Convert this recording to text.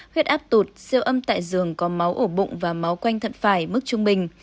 huyết áp tụt siêu âm tại giường có máu ở bụng và máu quanh thận phải mức trung bình